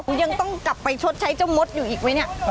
ยังต้องกลับไปชดใช้เจ้ามดอยู่อีกไหมเนี่ย